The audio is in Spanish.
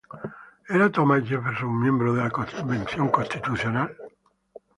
¿Era Thomas Jefferson un miembro de la Convención Constitucional?